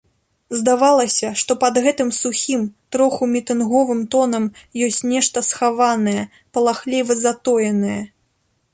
Здавалася, што пад гэтым сухім, троху мітынговым тонам ёсць нешта схаванае, палахліва затоенае.